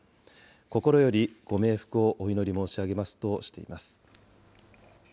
心よりご冥福をお祈り申し上げますとしています。